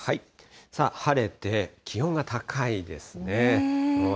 さあ、晴れて、気温が高いですね。